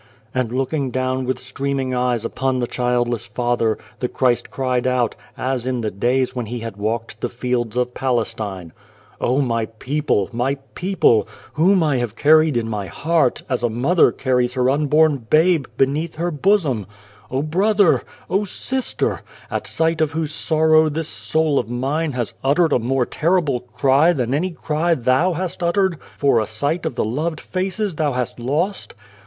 And, looking down with streaming eyes upon the childless father, the Christ cried out, as in the days when He had walked the fields of Palestine :" O ! My people ! My people ! whom I have carried in My heart, as a mother carries her unborn babe beneath her bosom ! O brother ! O sister ! at sight of whose sorrow this soul of Mine has uttered a more terrible cry than any 211 The Child, the Wise Man cry thou hast uttered for a sight of the loved faces thou hast lost